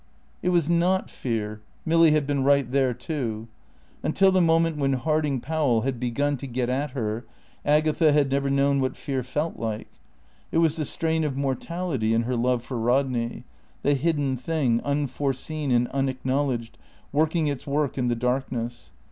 It was not fear, Milly had been right there too. Until the moment when Harding Powell had begun to get at her Agatha had never known what fear felt like. It was the strain of mortality in her love for Rodney; the hidden thing, unforeseen and unacknowledged, working its work in the darkness.